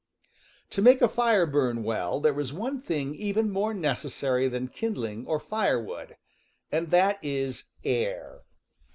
To make a fire burn well there is one thing even more necessary than kindling or firewood, and that is air.